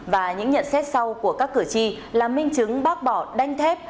và những nhận xét sau của các cử tri là minh chứng bác bỏ đanh thép